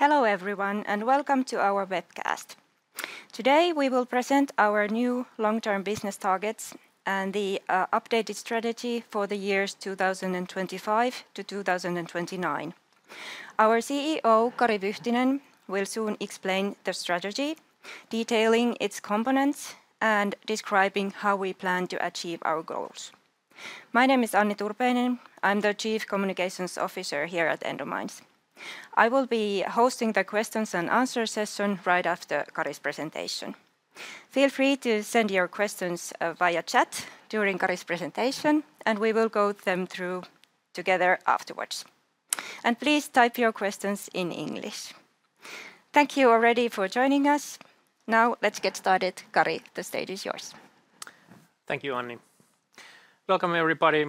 Hello everyone and welcome to our webcast. Today we will present our new long-term business targets and the updated strategy for the years 2025 to 2029. Our CEO, Kari Vyhtinen, will soon explain the strategy, detailing its components and describing how we plan to achieve our goals. My name is Anni Turpeinen. I'm the Chief Communications Officer here at Endomines. I will be hosting the questions and answers session right after Kari's presentation. Feel free to send your questions via chat during Kari's presentation, and we will go through them together afterwards. Please type your questions in English. Thank you already for joining us. Now let's get started, Kari. The stage is yours. Thank you, Anni. Welcome everybody.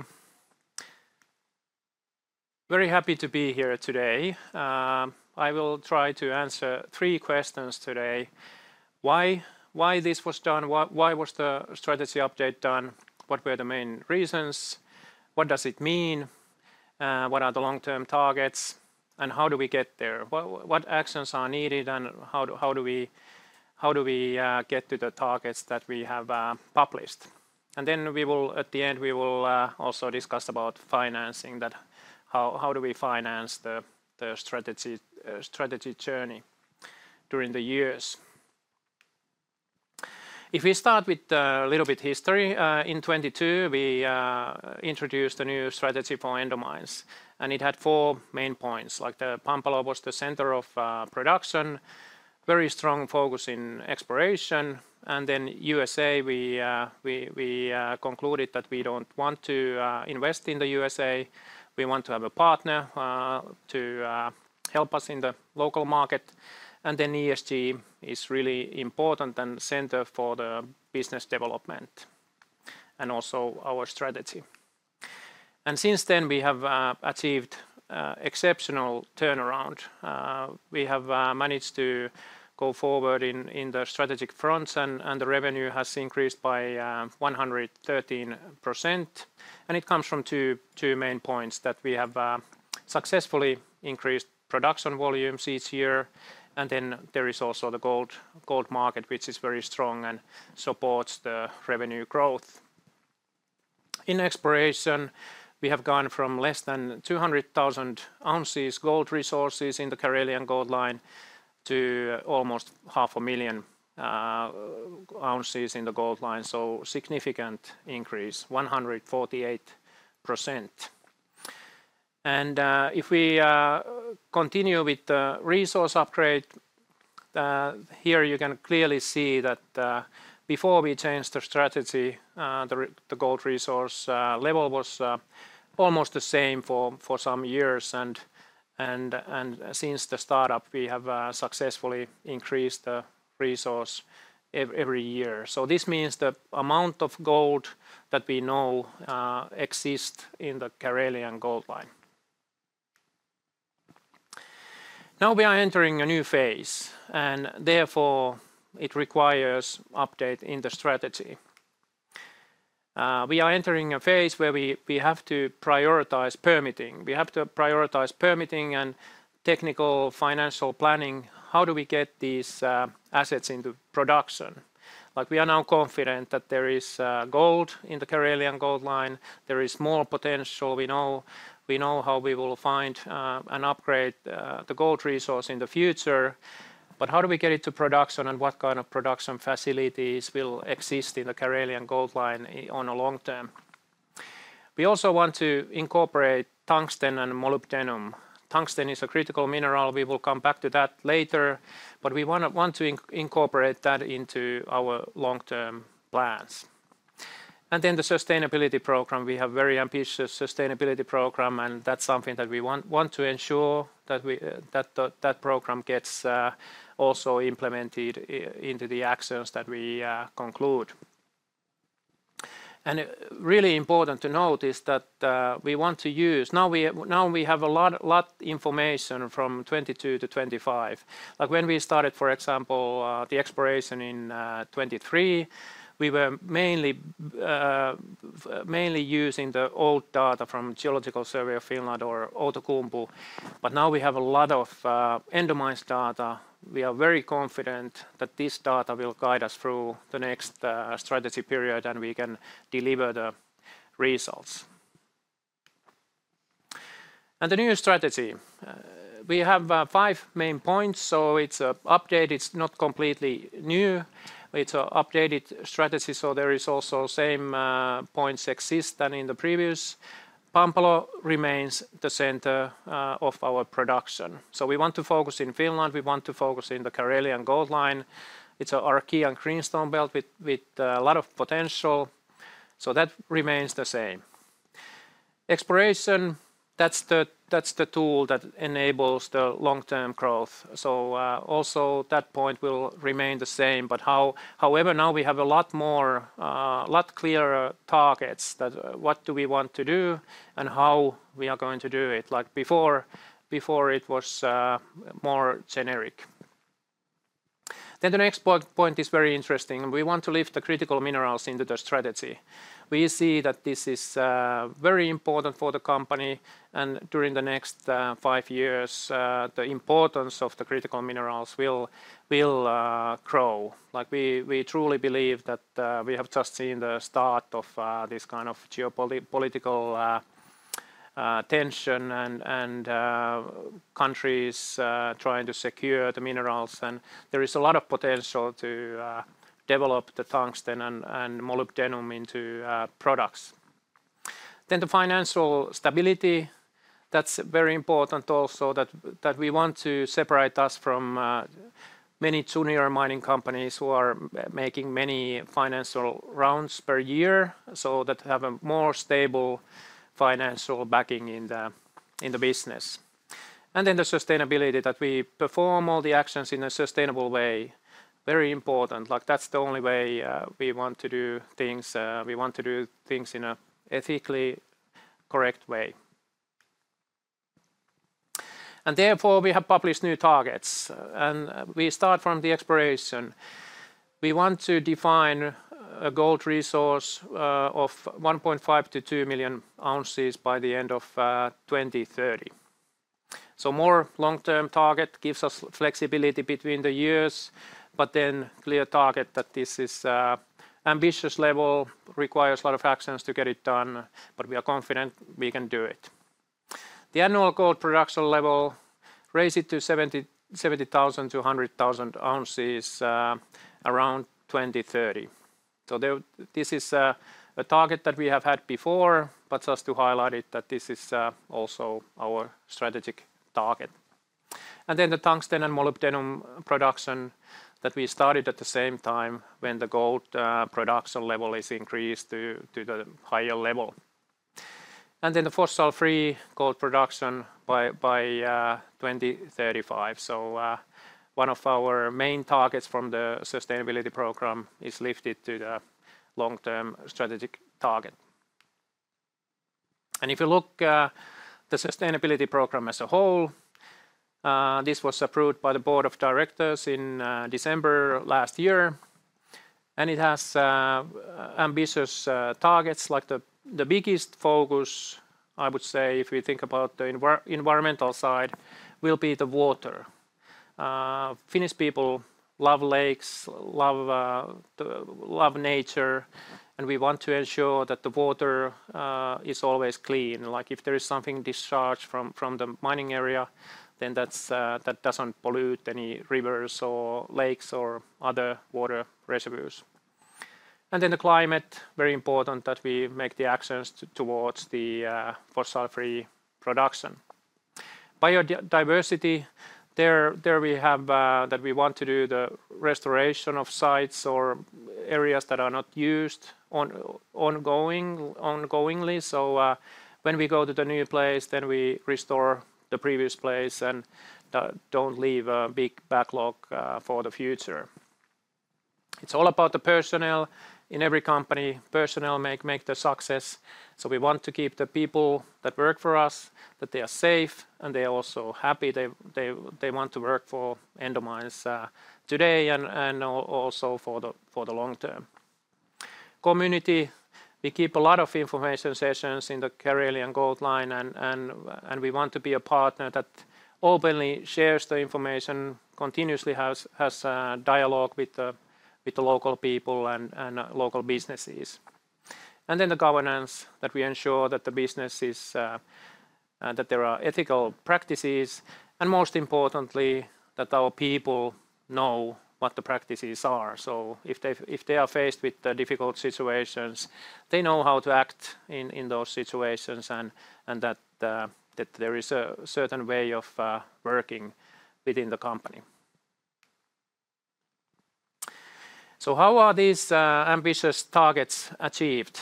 Very happy to be here today. I will try to answer three questions today. Why this was done? Why was the strategy update done? What were the main reasons? What does it mean? What are the long-term targets? How do we get there? What actions are needed? How do we get to the targets that we have published? At the end, we will also discuss about financing. How do we finance the strategy journey during the years? If we start with a little bit of history, in 2022 we introduced a new strategy for Endomines and it had four main points. Pampalo was the center of production, very strong focus in exploration. USA, we concluded that we do not want to invest in the USA. We want to have a partner to help us in the local market. ESG is really important and center for the business development and also our strategy. Since then we have achieved exceptional turnaround. We have managed to go forward in the strategic fronts and the revenue has increased by 113%. It comes from two main points that we have successfully increased production volumes each year. There is also the gold market, which is very strong and supports the revenue growth. In exploration, we have gone from less than 200,000 ounces gold resources in the Karelian Gold Line to almost 500,000 ounces in the Gold Line. Significant increase, 148%. If we continue with the resource upgrade, here you can clearly see that before we changed the strategy, the gold resource level was almost the same for some years. Since the startup, we have successfully increased the resource every year. This means the amount of gold that we know exists in the Karelian Gold Line. Now we are entering a new phase and therefore it requires an update in the strategy. We are entering a phase where we have to prioritize permitting. We have to prioritize permitting and technical financial planning. How do we get these assets into production? Like we are now confident that there is gold in the Karelian Gold Line. There is more potential. We know how we will find and upgrade the gold resource in the future. How do we get it to production and what kind of production facilities will exist in the Karelian Gold Line on a long term? We also want to incorporate tungsten and molybdenum. Tungsten is a critical mineral. We will come back to that later. We want to incorporate that into our long-term plans. The sustainability program. We have a very ambitious sustainability program and that is something that we want to ensure that program gets also implemented into the actions that we conclude. Really important to note is that we want to use, now we have a lot of information from 2022 to 2025. Like when we started, for example, the exploration in 2023, we were mainly using the old data from the Geological Survey of Finland or Outokumpu. Now we have a lot of Endomines data. We are very confident that this data will guide us through the next strategy period and we can deliver the results. The new strategy, we have five main points. It is updated, it is not completely new. It is an updated strategy. There are also same points existing as in the previous. Pampalo remains the center of our production. We want to focus in Finland. We want to focus in the Karelian Gold Line. It's our key and greenstone belt with a lot of potential. That remains the same. Exploration, that's the tool that enables the long-term growth. Also, that point will remain the same. However, now we have a lot more clearer targets for what we want to do and how we are going to do it. Before, it was more generic. The next point is very interesting. We want to lift the critical minerals into the strategy. We see that this is very important for the company and during the next five years, the importance of the critical minerals will grow. We truly believe that we have just seen the start of this kind of geopolitical tension and countries trying to secure the minerals. There is a lot of potential to develop the tungsten and molybdenum into products. The financial stability, that's very important also, that we want to separate us from many junior mining companies who are making many financial rounds per year, so that we have a more stable financial backing in the business. The sustainability, that we perform all the actions in a sustainable way, is very important. That's the only way we want to do things. We want to do things in an ethically correct way, and therefore we have published new targets. We start from the exploration. We want to define a gold resource of 1.5 million -2 million ounces by the end of 2030. A more long-term target gives us flexibility between the years, but a clear target that this is ambitious level, requires a lot of actions to get it done. We are confident we can do it. The annual gold production level, raise it to 70,000-100,000 ounces around 2030. This is a target that we have had before, but just to highlight it, this is also our strategic target. The tungsten and molybdenum production that we started at the same time when the gold production level is increased to the higher level. The fossil-free gold production by 2035. One of our main targets from the sustainability program is lifted to the long-term strategic target. If you look at the sustainability program as a whole, this was approved by the board of directors in December last year. It has ambitious targets. The biggest focus, I would say, if we think about the environmental side, will be the water. Finnish people love lakes, love nature. We want to ensure that the water is always clean. If there is something discharged from the mining area, then that does not pollute any rivers or lakes or other water reservoirs. The climate is very important, and we make the actions towards the fossil-free production. Biodiversity, there we have that we want to do the restoration of sites or areas that are not used ongoingly. When we go to the new place, then we restore the previous place and do not leave a big backlog for the future. It is all about the personnel in every company. Personnel make the success. We want to keep the people that work for us, that they are safe and they are also happy. They want to work for Endomines today and also for the long term. Community, we keep a lot of information sessions in the Karelian Gold Line. We want to be a partner that openly shares the information, continuously has dialogue with the local people and local businesses. The governance ensures that the businesses have ethical practices. Most importantly, our people know what the practices are. If they are faced with difficult situations, they know how to act in those situations and that there is a certain way of working within the company. How are these ambitious targets achieved?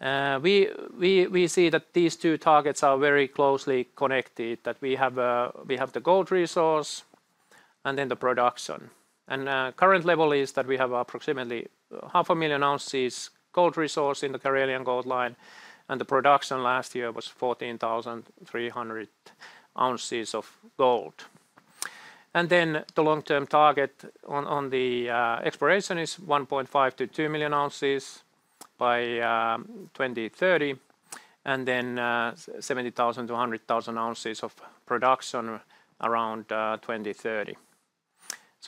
We see that these two targets are very closely connected, that we have the gold resource and then the production. The current level is that we have approximately 500,000 ounces gold resource in the Karelian Gold Line. The production last year was 14,300 ounces of gold. The long-term target on the exploration is 1.5 million-2 million ounces by 2030. Then 70,000-100,000 ounces of production around 2030.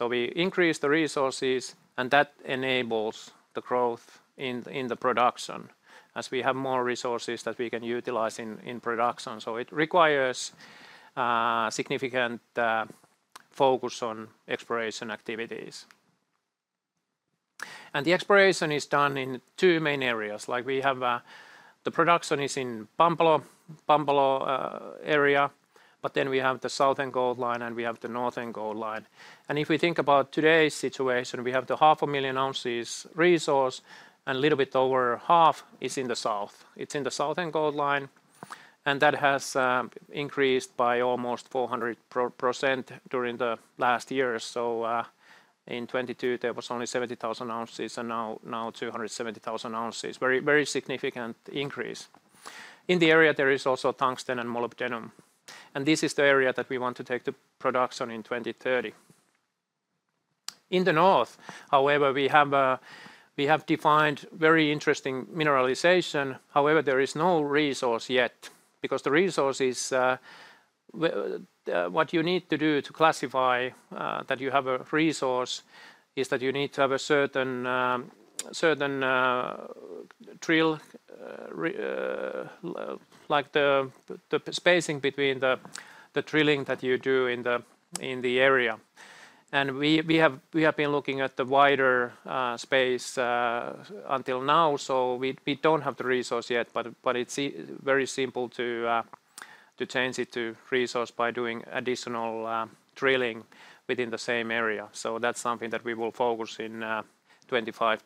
We increase the resources and that enables the growth in the production as we have more resources that we can utilize in production. It requires significant focus on exploration activities. The exploration is done in two main areas. We have the production in the Pampalo area. We have the Southern Gold Line and we have the Northern Gold Line. If we think about today's situation, we have the 500,000 ounces resource and a little bit over half is in the south. It is in the Southern Gold Line. That has increased by almost 400% during the last year. In 2022 there was only 70,000 ounces and now 270,000 ounces. Very significant increase. In the area there is also tungsten and molybdenum. This is the area that we want to take to production in 2030. In the north, however, we have defined very interesting mineralization. However, there is no resource yet because the resource is what you need to do to classify that you have a resource is that you need to have a certain drill, like the spacing between the drilling that you do in the area. We have been looking at the wider space until now. We do not have the resource yet, but it is very simple to change it to resource by doing additional drilling within the same area. That is something that we will focus in 2025,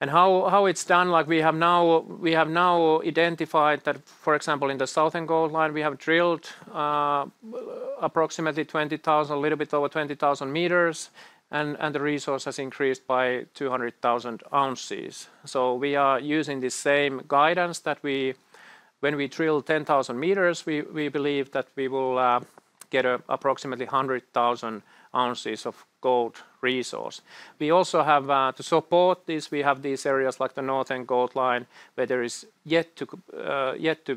2026. How it is done, like we have now identified that for example in the Southern Gold Line we have drilled approximately 20,000, a little bit over 20,000 m The resource has increased by 200,000 ounces. We are using the same guidance that when we drill 10,000 m, we believe that we will get approximately 100,000 ounces of gold resource. We also have to support this. We have these areas like the Northern Gold Line where there is yet to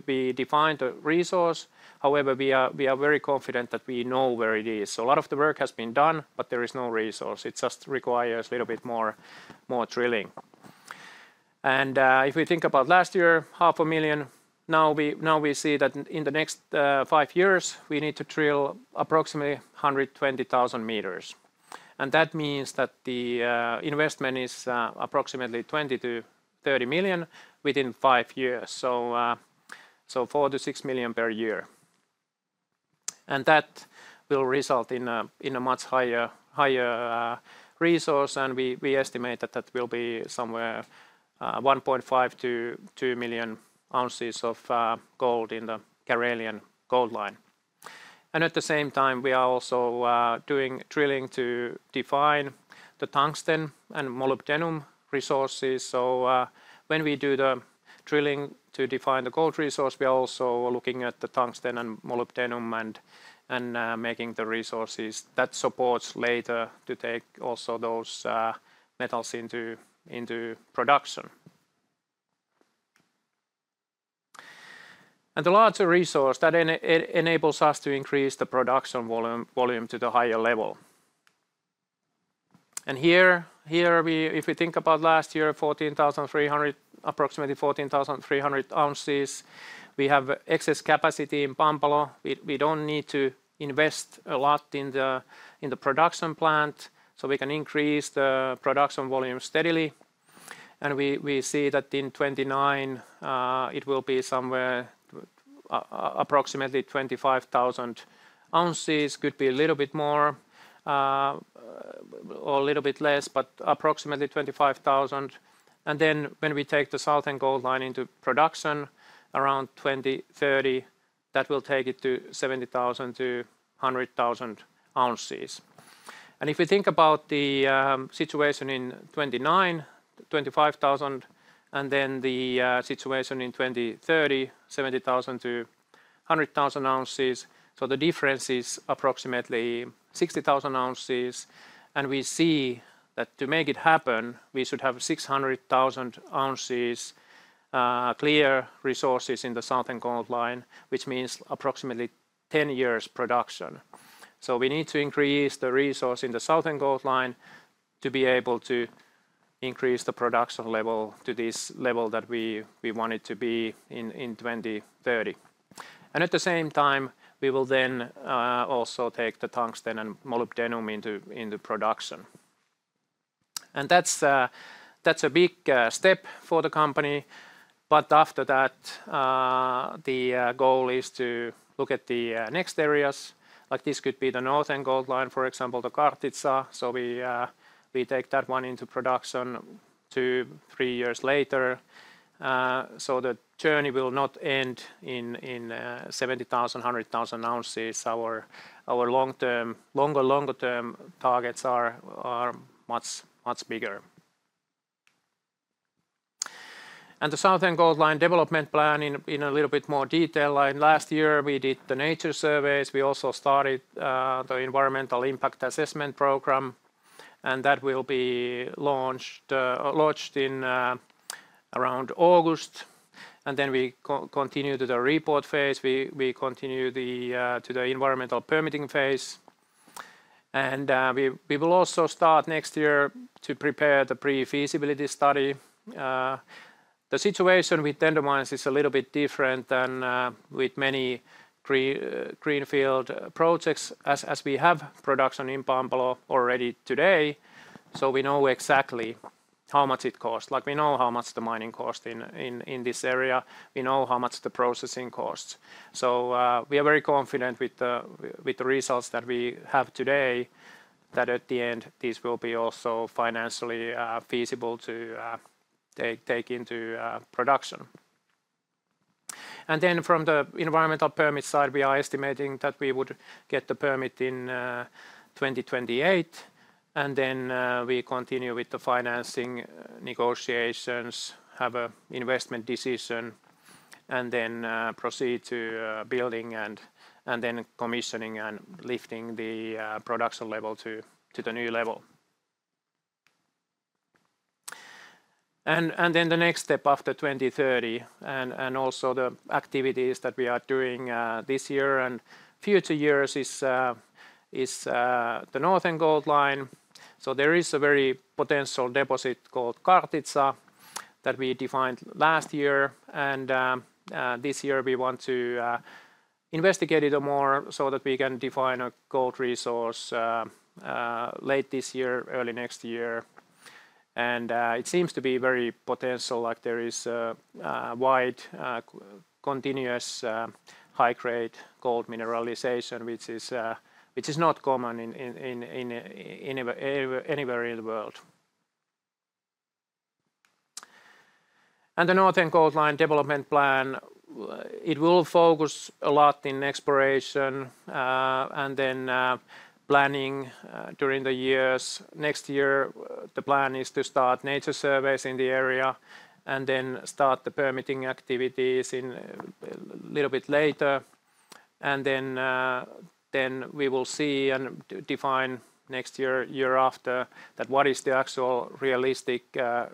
be defined a resource. However, we are very confident that we know where it is. A lot of the work has been done, but there is no resource. It just requires a little bit more drilling. If we think about last year, $500,000, now we see that in the next five years we need to drill approximately 120,000 m That means that the investment is approximately 20 million-30 million within five years, so 4 million-6 million per year. That will result in a much higher resource. We estimate that that will be somewhere 1.5million-2 million ounces of gold in the Karelian Gold Line. At the same time, we are also doing drilling to define the tungsten and molybdenum resources. When we do the drilling to define the gold resource, we are also looking at the tungsten and molybdenum and making the resources that supports later to take also those metals into production. The larger resource enables us to increase the production volume to the higher level. Here, if we think about last year, approximately 14,300 ounces, we have excess capacity in Pampalo. We do not need to invest a lot in the production plant. We can increase the production volume steadily. We see that in 2029 it will be somewhere approximately 25,000 ounces. Could be a little bit more or a little bit less, but approximately 25,000. Then when we take the Southern Gold Line into production, around 2030, that will take it to 70,000-100,000 ounces. If we think about the situation in 2029, 25,000, and then the situation in 2030, 70,000-100,000 ounces. The difference is approximately 60,000 ounces. We see that to make it happen, we should have 600,000 ounces clear resources in the Southern Gold Line, which means approximately 10 years production. We need to increase the resource in the Southern Gold Line to be able to increase the production level to this level that we want it to be in 2030. At the same time, we will then also take the tungsten and molybdenum into production. That is a big step for the company. After that, the goal is to look at the next areas. Like this could be the Northern Gold Line, for example, the Kartitsa. We take that one into production two, three years later. The journey will not end in 70,000-100,000 ounces. Our longer term targets are much bigger. The Southern Gold Line development plan in a little bit more detail. Last year we did the nature surveys. We also started the environmental impact assessment program. That will be launched in around August. We continue to the report phase. We continue to the environmental permitting phase. We will also start next year to prepare the pre-feasibility study. The situation with Endomines is a little bit different than with many greenfield projects as we have production in Pampalo already today. We know exactly how much it costs. We know how much the mining costs in this area. We know how much the processing costs. We are very confident with the results that we have today that at the end this will be also financially feasible to take into production. From the environmental permit side, we are estimating that we would get the permit in 2028. We continue with the financing negotiations, have an investment decision, and proceed to building and then commissioning and lifting the production level to the new level. The next step after 2030 and also the activities that we are doing this year and future years is the Northern Gold Line. There is a very potential deposit called Kartitsa that we defined last year. This year we want to investigate it more so that we can define a gold resource late this year, early next year. It seems to be very potential. Like there is a wide continuous high-grade gold mineralization, which is not common anywhere in the world. The Northern Gold Line development plan, it will focus a lot in exploration and then planning during the years. Next year, the plan is to start nature surveys in the area and then start the permitting activities a little bit later. We will see and define next year, year after, that what is the actual realistic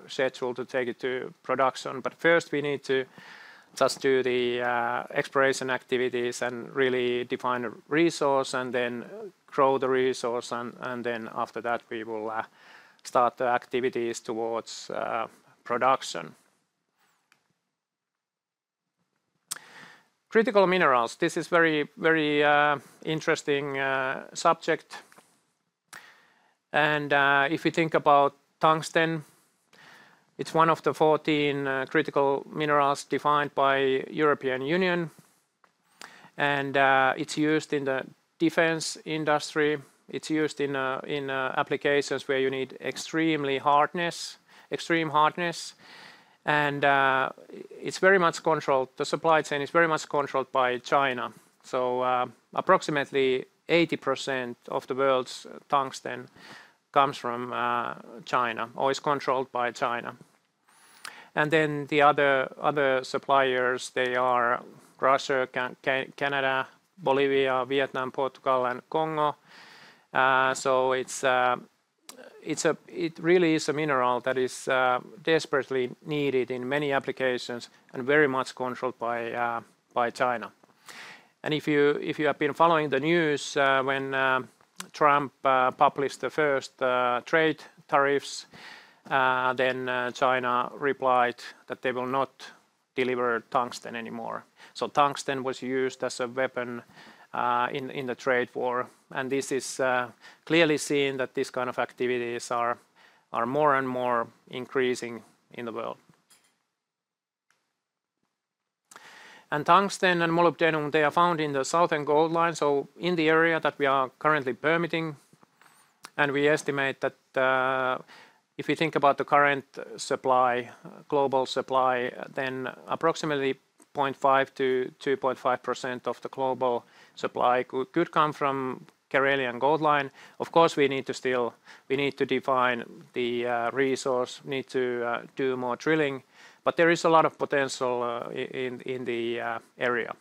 schedule to take it to production. First we need to just do the exploration activities and really define the resource and then grow the resource. After that we will start the activities towards production. Critical minerals. This is a very interesting subject. If we think about tungsten, it's one of the 14 critical minerals defined by the European Union. It's used in the defense industry. It's used in applications where you need extreme hardness. It is very much controlled. The supply chain is very much controlled by China. Approximately 80% of the world's tungsten comes from China, or is controlled by China. The other suppliers are Russia, Canada, Bolivia, Vietnam, Portugal, and Congo. It really is a mineral that is desperately needed in many applications and very much controlled by China. If you have been following the news, when Trump published the first trade tariffs, China replied that they will not deliver tungsten anymore. Tungsten was used as a weapon in the trade war. This is clearly seen, that this kind of activities are more and more increasing in the world. Tungsten and molybdenum are found in the Southern Gold Line, in the area that we are currently permitting. We estimate that if we think about the current supply, global supply, then approximately 0.5-2.5% of the global supply could come from the Karelian Gold Line. Of course, we need to define the resource, need to do more drilling. There is a lot of potential in the area.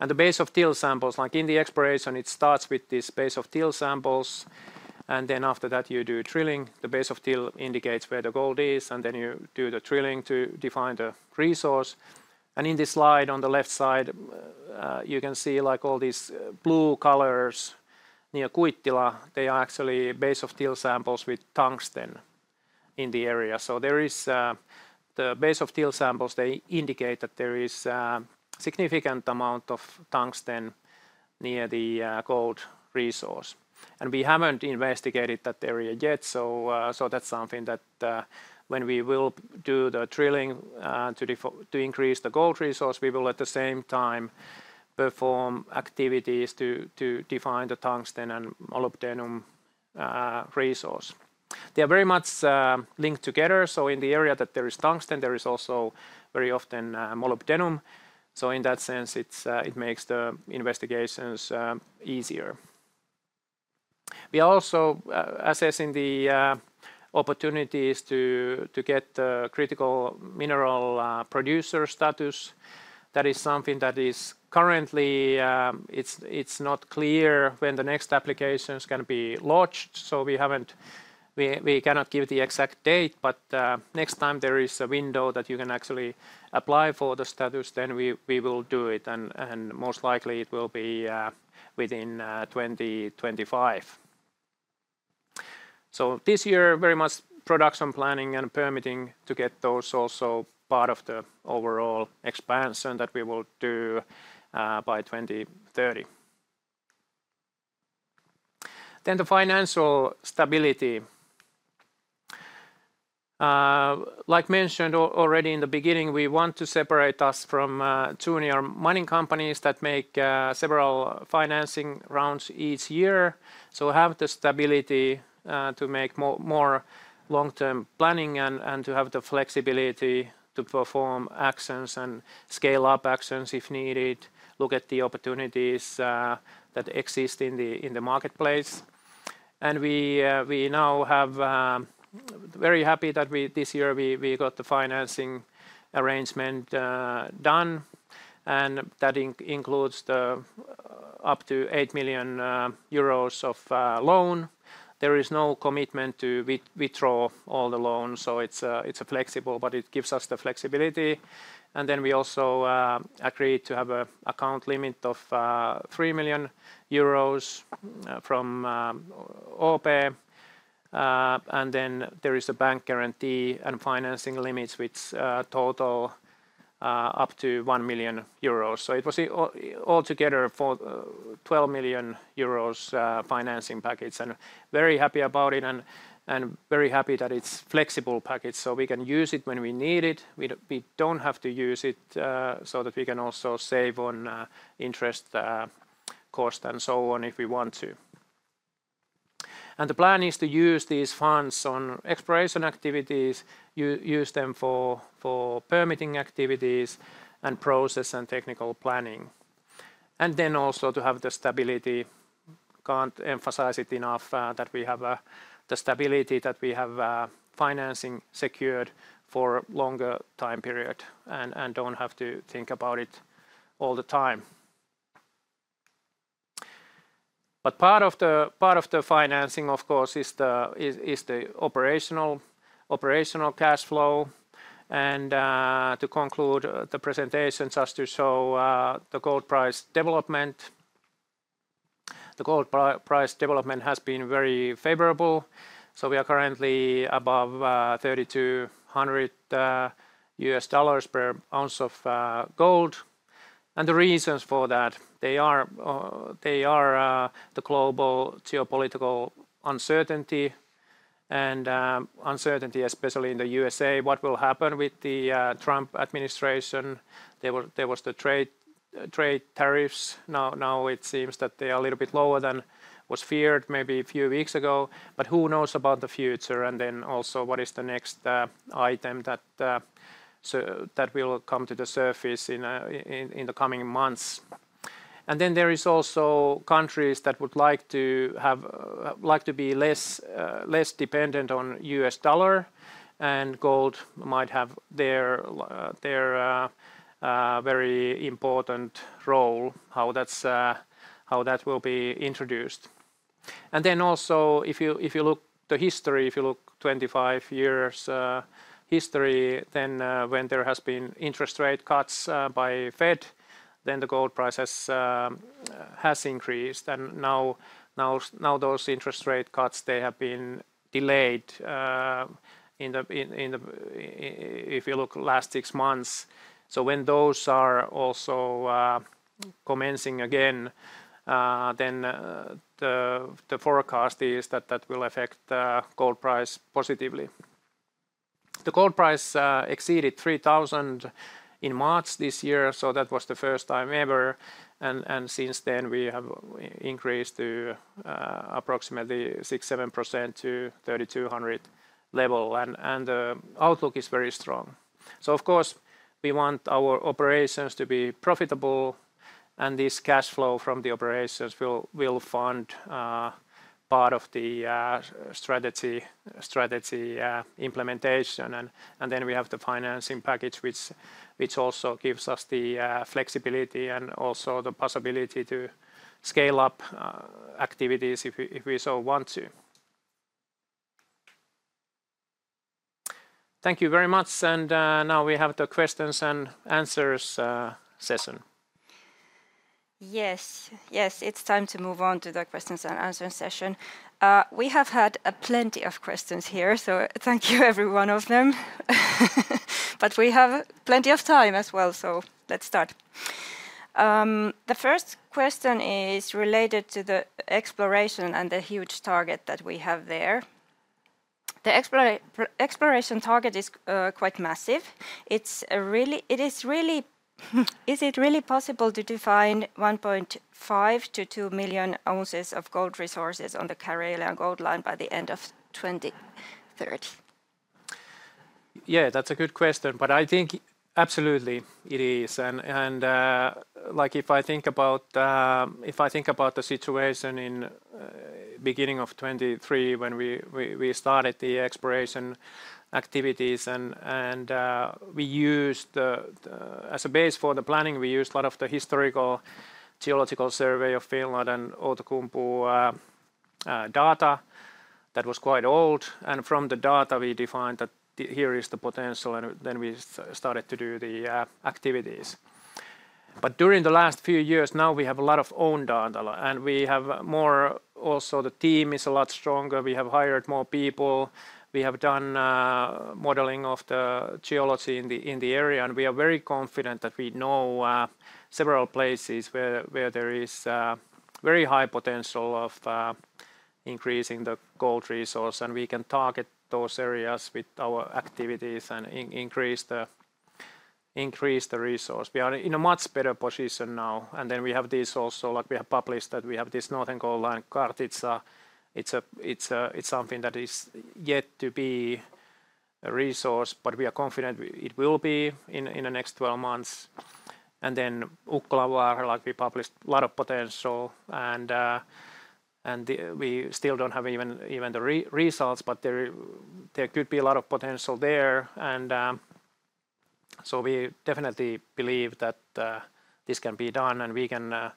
The base of till samples, like in the exploration, it starts with this base of till samples. After that you do drilling. The base of till indicates where the gold is. You do the drilling to define the resource. In this slide on the left side, you can see like all these blue colors near Kuittila, they are actually base of till samples with tungsten in the area. The base of till samples indicate that there is a significant amount of tungsten near the gold resource. We have not investigated that area yet. That is something that when we do the drilling to increase the gold resource, we will at the same time perform activities to define the tungsten and molybdenum resource. They are very much linked together. In the area where there is tungsten, there is also very often molybdenum. In that sense, it makes the investigations easier. We are also assessing the opportunities to get critical mineral producer status. That is something that is currently not clear when the next applications can be launched. We cannot give the exact date. Next time there is a window that you can actually apply for the status, we will do it. Most likely it will be within 2025. This year, very much production planning and permitting to get those also part of the overall expansion that we will do by 2030. The financial stability. Like mentioned already in the beginning, we want to separate us from junior mining companies that make several financing rounds each year. Have the stability to make more long-term planning and to have the flexibility to perform actions and scale up actions if needed, look at the opportunities that exist in the marketplace. We now are very happy that this year we got the financing arrangement done. That includes up to 8 million euros of loan. There is no commitment to withdraw all the loans. It is flexible, but it gives us the flexibility. We also agreed to have an account limit of 3 million euros from OP. There is a bank guarantee and financing limits with total up to 1 million euros. It was altogether a 12 million euros financing package. I am very happy about it and very happy that it is a flexible package. We can use it when we need it. We do not have to use it so that we can also save on interest cost and so on if we want to. The plan is to use these funds on exploration activities, use them for permitting activities and process and technical planning. Also, to have the stability. I cannot emphasize it enough that we have the stability that we have financing secured for a longer time period and do not have to think about it all the time. Part of the financing, of course, is the operational cash flow. To conclude the presentation, just to show the gold price development. The gold price development has been very favorable. We are currently above $3,200 per ounce of gold. The reasons for that, they are the global geopolitical uncertainty and uncertainty, especially in the U.S.A., what will happen with the Trump administration. There was the trade tariffs. Now it seems that they are a little bit lower than was feared maybe a few weeks ago. Who knows about the future? Also, what is the next item that will come to the surface in the coming months? There are also countries that would like to be less dependent on the US dollar. Gold might have their very important role, how that will be introduced. If you look at the history, if you look at 25 years history, when there has been interest rate cuts by the Fed, the gold price has increased. Now those interest rate cuts have been delayed if you look at the last six months. When those are commencing again, the forecast is that will affect the gold price positively. The gold price exceeded $3,000 in March this year. That was the first time ever. Since then we have increased approximately 6%-7% to the $3,200 level. The outlook is very strong. Of course, we want our operations to be profitable. This cash flow from the operations will fund part of the strategy implementation. We have the financing package, which also gives us the flexibility and the possibility to scale up activities if we so want to. Thank you very much. Now we have the questions and answers session. Yes, yes, it is time to move on to the questions and answers session. We have had plenty of questions here. Thank you, every one of them. We have plenty of time as well. Let's start. The first question is related to the exploration and the huge target that we have there. The exploration target is quite massive. Is it really possible to define 1.5 million-2 million ounces of gold resources on the Karelian Gold Line by the end of 2030? Yeah, that is a good question. I think absolutely it is. If I think about the situation in the beginning of 2023, when we started the exploration activities and we used as a base for the planning, we used a lot of the historical Geological Survey of Finland and Outokumpu data that was quite old. From the data, we defined that here is the potential. We started to do the activities. During the last few years, now we have a lot of own data. We have more, also the team is a lot stronger. We have hired more people. We have done modeling of the geology in the area. We are very confident that we know several places where there is very high potential of increasing the gold resource. We can target those areas with our activities and increase the resource. We are in a much better position now. We have also published that we have this Northern Gold Line, Kartitsa. It is something that is yet to be a resource, but we are confident it will be in the next 12 months. Ukkolanvaara, we published a lot of potential. We still do not have even the results, but there could be a lot of potential there. We definitely believe that this can be done. We can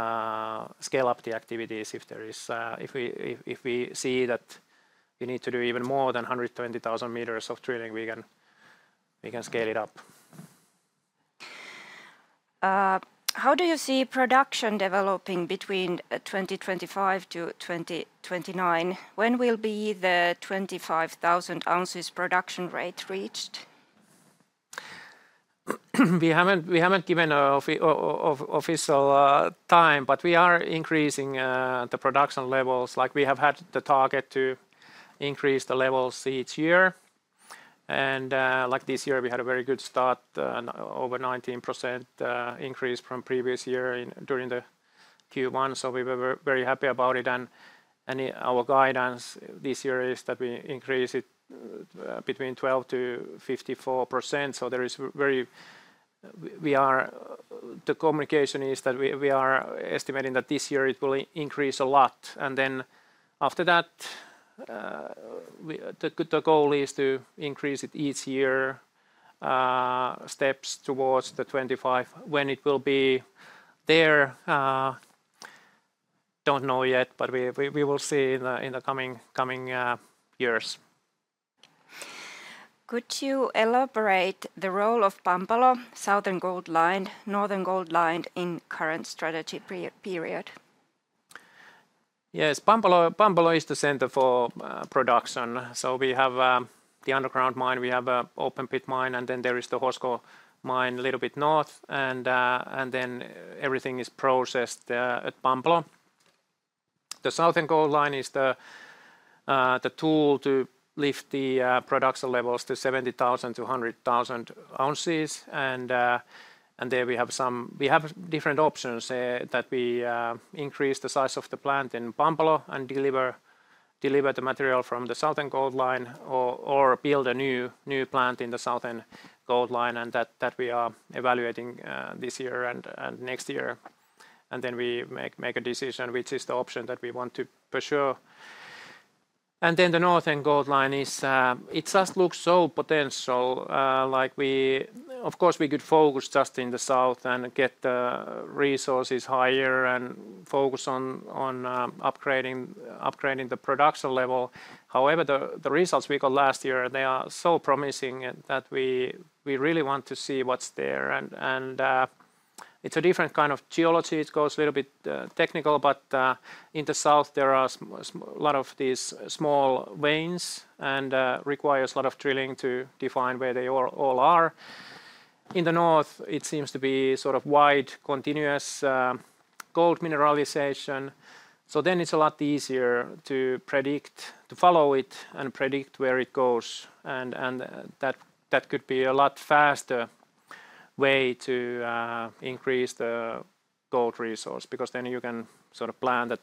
scale up the activities if we see that we need to do even more than 120,000 m of drilling, we can scale it up. How do you see production developing between 2025 to 2029? When will the 25,000 ounces production rate be reached? We have not given an official time, but we are increasing the production levels. We have had the target to increase the levels each year. Like this year, we had a very good start, over 19% increase from previous year during Q1. We were very happy about it. Our guidance this year is that we increase it between 12%-54%. The communication is that we are estimating that this year it will increase a lot. After that, the goal is to increase it each year in steps towards 2025 when it will be there. Do not know yet, but we will see in the coming years. Could you elaborate the role of Pampalo, Southern Gold Line, Northern Gold Line in the current strategy period? Yes, Pampalo is the center for production. We have the underground mine, we have an open pit mine, and then there is the Hosko mine a little bit north. Everything is processed at Pampalo. The Southern Gold Line is the tool to lift the production levels to 70,000 ounces-100,000 ounces. There we have different options that we increase the size of the plant in Pampalo and deliver the material from the Southern Gold Line or build a new plant in the Southern Gold Line. We are evaluating this year and next year. We make a decision which is the option that we want to pursue. The Northern Gold Line is, it just looks so potential. Like, we, of course, we could focus just in the south and get the resources higher and focus on upgrading the production level. However, the results we got last year, they are so promising that we really want to see what's there. It is a different kind of geology. It goes a little bit technical, but in the south there are a lot of these small veins and requires a lot of drilling to define where they all are. In the north, it seems to be sort of wide continuous gold mineralization. It is a lot easier to predict, to follow it and predict where it goes. That could be a lot faster way to increase the gold resource because then you can sort of plan that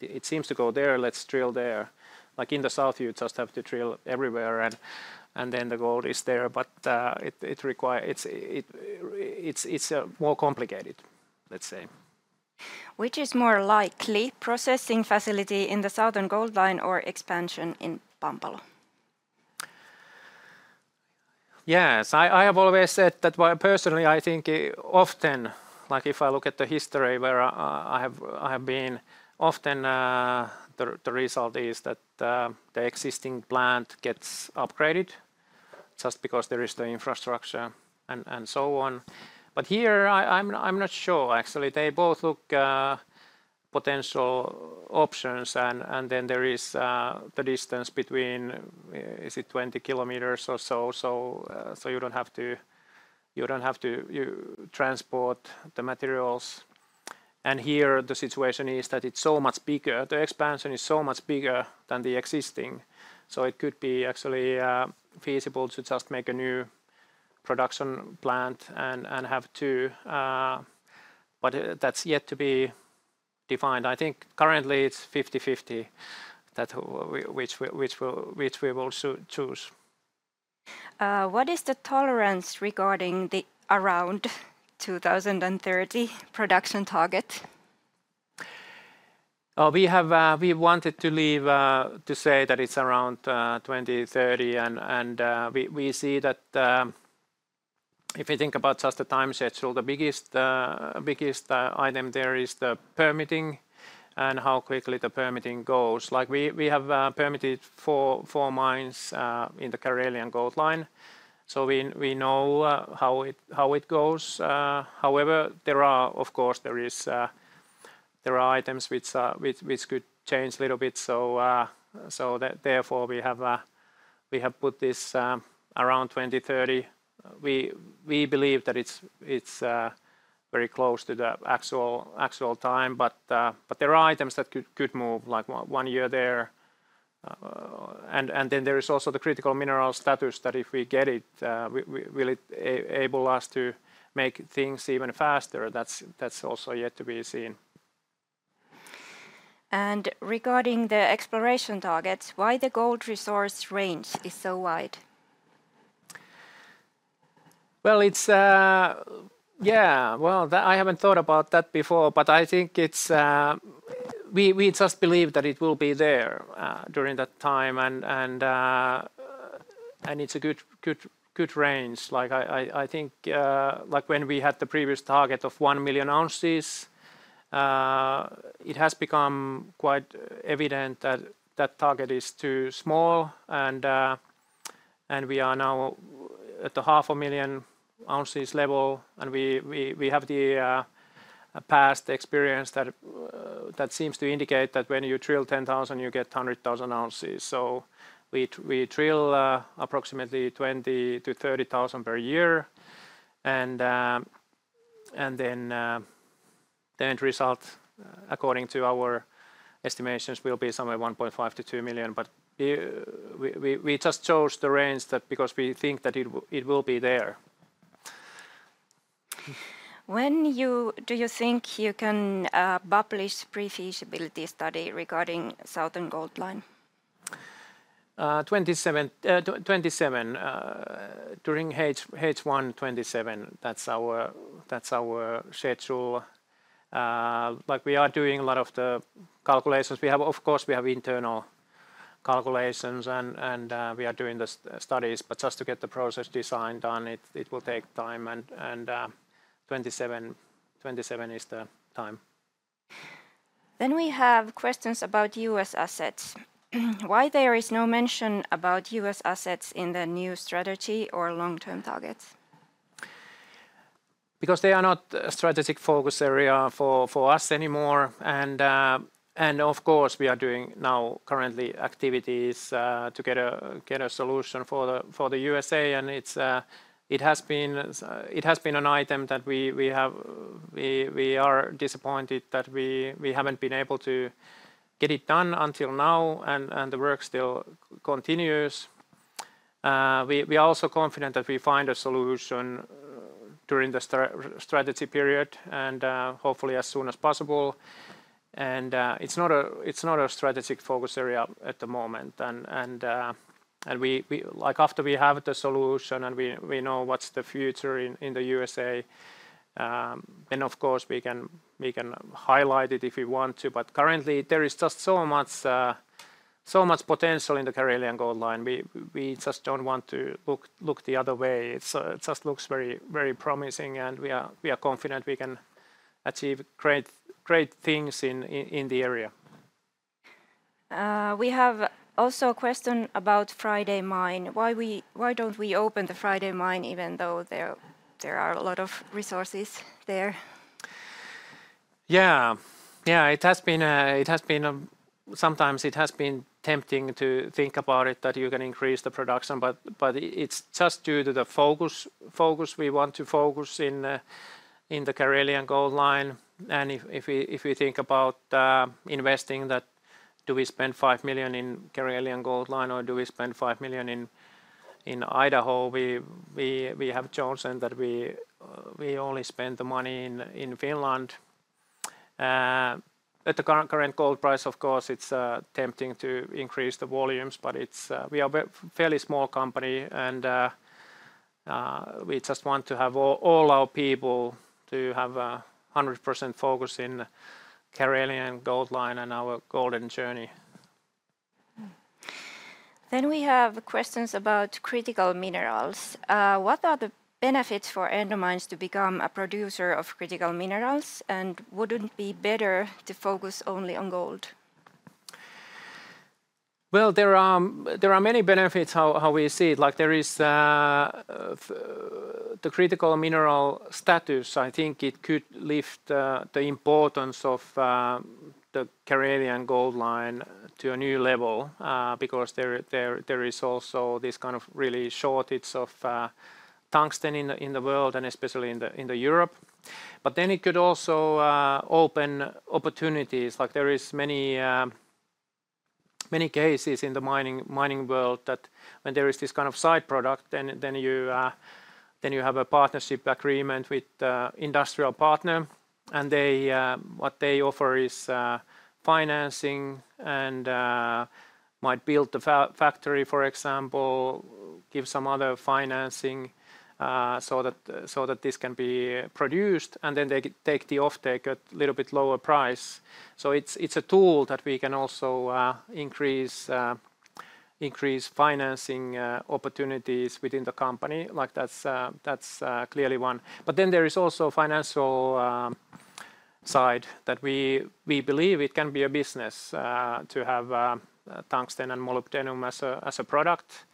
it seems to go there, let's drill there. Like in the south, you just have to drill everywhere and then the gold is there. It is more complicated, let's say. Which is more likely, processing facility in the Southern Gold Line or expansion in Pampalo? Yes, I have always said that personally I think often, like if I look at the history where I have been, often the result is that the existing plant gets upgraded just because there is the infrastructure and so on. Here I'm not sure actually. They both look potential options. There is the distance between, is it 20 km or so? You do not have to transport the materials. Here the situation is that it is so much bigger. The expansion is so much bigger than the existing. It could be actually feasible to just make a new production plant and have two. That is yet to be defined. I think currently it is 50-50 which we will choose. What is the tolerance regarding the around 2030 production target? We wanted to leave to say that it is around 2030. We see that if you think about just the time schedule, the biggest item there is the permitting and how quickly the permitting goes. Like we have permitted four mines in the Karelian Gold Line. We know how it goes. However, there are, of course, items which could change a little bit. Therefore, we have put this around 2030. We believe that it is very close to the actual time. There are items that could move like one year there. There is also the critical mineral status that if we get it, will it enable us to make things even faster? That is also yet to be seen. Regarding the exploration targets, why the gold resource range is so wide? I have not thought about that before, but I think we just believe that it will be there during that time. It is a good range. I think when we had the previous target of one million ounces, it has become quite evident that target is too small. We are now at the 500,000 ounces level. We have the past experience that seems to indicate that when you drill 10,000, you get 100,000 ounces. We drill approximately 20,000-30,000 per year. The end result, according to our estimations, will be somewhere 1.5 million-2 million. We just chose the range because we think that it will be there. When do you think you can publish pre-feasibility study regarding Southern Gold Line? Twenty twenty-seven, during H1 2027. That is our schedule. Like we are doing a lot of the calculations. We have, of course, we have internal calculations and we are doing the studies. Just to get the process design done, it will take time. Twenty twenty-seven is the time. We have questions about U.S. assets. Why there is no mention about U.S. assets in the new strategy or long-term targets? They are not a strategic focus area for us anymore. Of course, we are doing now currently activities to get a solution for the U.S.A. It has been an item that we are disappointed that we have not been able to get it done until now. The work still continues. We are also confident that we find a solution during the strategy period and hopefully as soon as possible. It is not a strategic focus area at the moment. Like after we have the solution and we know what's the future in the U.S.A., of course we can highlight it if we want to. Currently there is just so much potential in the Karelian Gold Line. We just don't want to look the other way. It just looks very promising. We are confident we can achieve great things in the area. We have also a question about Friday Mine. Why don't we open the Friday Mine even though there are a lot of resources there? Yeah, it has been tempting to think about it, that you can increase the production. It's just due to the focus. We want to focus in the Karelian Gold Line. If we think about investing that, do we spend 5 million in Karelian Gold Line or do we spend 5 million in Idaho? We have chosen that we only spend the money in Finland. At the current gold price, of course, it's tempting to increase the volumes. We are a fairly small company. We just want to have all our people to have a 100% focus in Karelian Gold Line and our golden journey. We have questions about critical minerals. What are the benefits for Endomines to become a producer of critical minerals? Wouldn't it be better to focus only on gold? There are many benefits how we see it. Like there is the critical mineral status. I think it could lift the importance of the Karelian Gold Line to a new level because there is also this kind of really shortage of tungsten in the world and especially in Europe. It could also open opportunities. Like there are many cases in the mining world that when there is this kind of side product, you have a partnership agreement with an industrial partner. What they offer is financing and might build the factory, for example, give some other financing so that this can be produced. They take the offtake at a little bit lower price. It is a tool that we can also increase financing opportunities within the company. That is clearly one. There is also a financial side that we believe it can be a business to have tungsten and molybdenum as a product.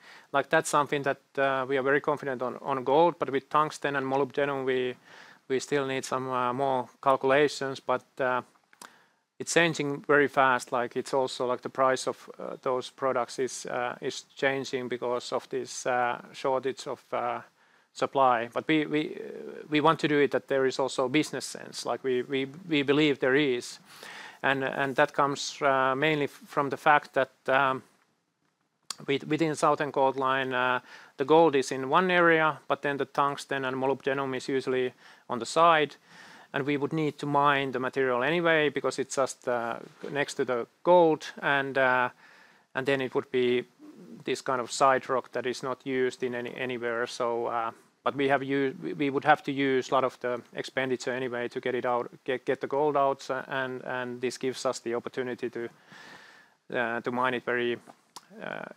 That is something that we are very confident on gold. With tungsten and molybdenum, we still need some more calculations. It is changing very fast. It is also like the price of those products is changing because of this shortage of supply. We want to do it that there is also business sense. Like we believe there is. That comes mainly from the fact that within Southern Gold Line, the gold is in one area, but then the tungsten and molybdenum is usually on the side. We would need to mine the material anyway because it is just next to the gold. It would be this kind of side rock that is not used anywhere. We would have to use a lot of the expenditure anyway to get the gold out. This gives us the opportunity to mine it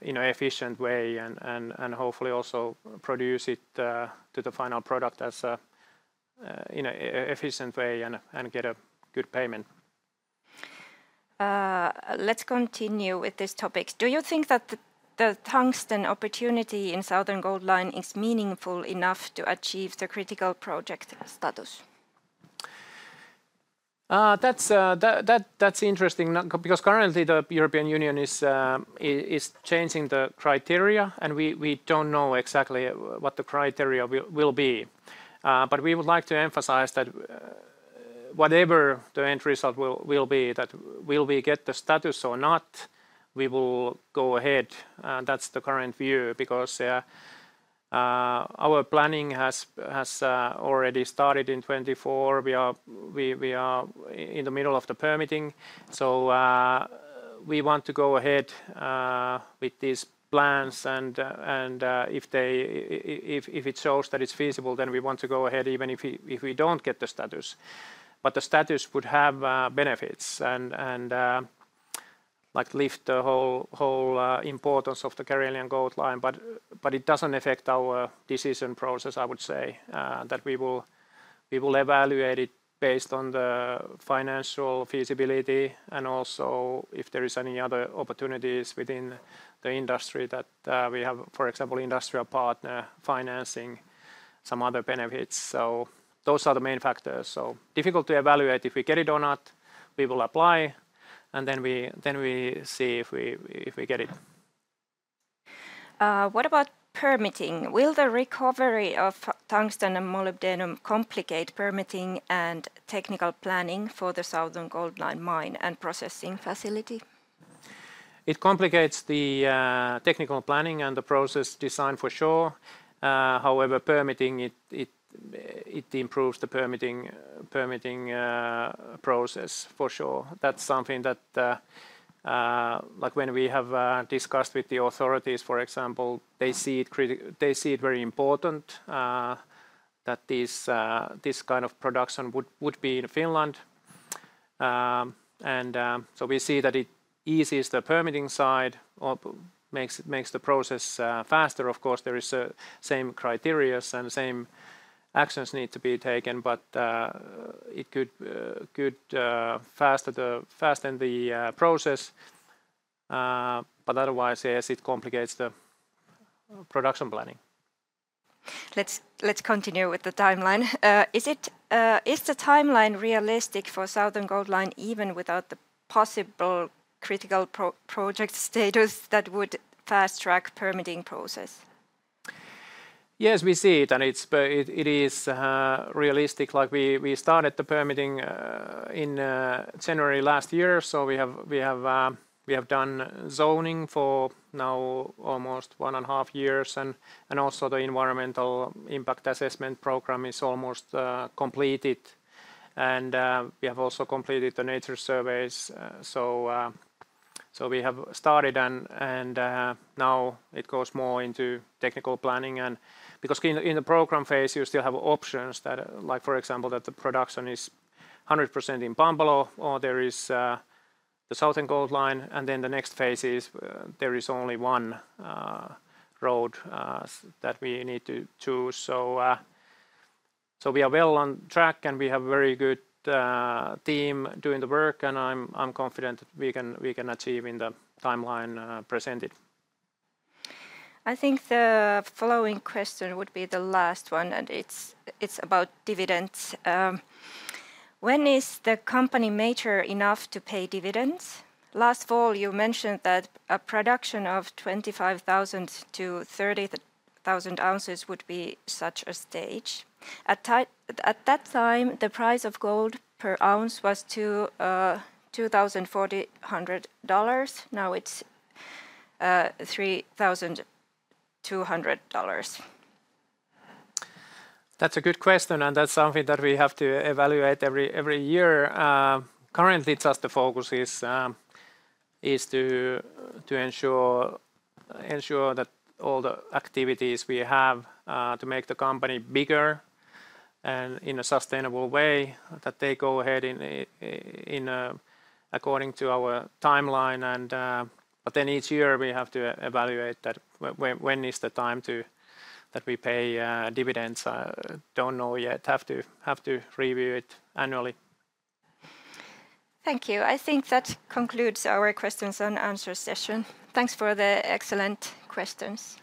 in an efficient way and hopefully also produce it to the final product in an efficient way and get a good payment. Let's continue with this topic. Do you think that the tungsten opportunity in Southern Gold Line is meaningful enough to achieve the critical project status? That's interesting because currently the European Union is changing the criteria and we don't know exactly what the criteria will be. We would like to emphasize that whatever the end result will be, that will we get the status or not, we will go ahead. That's the current view because our planning has already started in 2024. We are in the middle of the permitting. We want to go ahead with these plans. If it shows that it's feasible, then we want to go ahead even if we don't get the status. The status would have benefits and like lift the whole importance of the Karelian Gold Line. But it doesn't affect our decision process, I would say, that we will evaluate it based on the financial feasibility and also if there are any other opportunities within the industry that we have, for example, industrial partner financing, some other benefits. Those are the main factors. Difficult to evaluate if we get it or not. We will apply and then we see if we get it. What about permitting? Will the recovery of tungsten and molybdenum complicate permitting and technical planning for the Southern Gold Line mine and processing facility? It complicates the technical planning and the process design for sure. However, permitting, it improves the permitting process for sure. That's something that, like, when we have discussed with the authorities, for example, they see it very important that this kind of production would be in Finland. We see that it eases the permitting side, makes the process faster. Of course, there are the same criteria and the same actions need to be taken, but it could fasten the process. Otherwise, yes, it complicates the production planning. Let's continue with the timeline. Is the timeline realistic for Southern Gold Line even without the possible critical project status that would fast track the permitting process? Yes, we see it and it is realistic. Like we started the permitting in January last year. We have done zoning for now almost one and a half years. Also, the environmental impact assessment program is almost completed. We have also completed the nature surveys. We have started and now it goes more into technical planning. Because in the program phase, you still have options that, like for example, the production is 100% in Pampalo or there is the Southern Gold Line. The next phase is there is only one road that we need to choose. We are well on track and we have a very good team doing the work. I'm confident that we can achieve in the timeline presented. I think the following question would be the last one and it's about dividends. When is the company mature enough to pay dividends? Last fall, you mentioned that a production of 25,000-30,000 ounces would be such a stage. At that time, the price of gold per ounce was $2,400. Now it's $3,200. That's a good question and that's something that we have to evaluate every year. Currently, just the focus is to ensure that all the activities we have to make the company bigger and in a sustainable way, that they go ahead according to our timeline. Each year we have to evaluate that when is the time that we pay dividends. Do not know yet. Have to review it annually. Thank you. I think that concludes our questions and answers session. Thanks for the excellent questions.